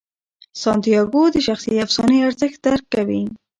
سانتیاګو د شخصي افسانې ارزښت درک کوي.